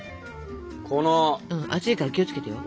熱いから気を付けてよ。